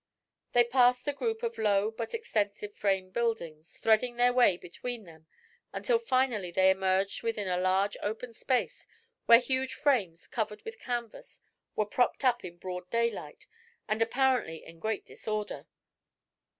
They passed a group of low but extensive frame buildings, threading their way between them until finally they emerged within a large open space where huge frames covered with canvas were propped up in broad daylight and apparently in great disorder.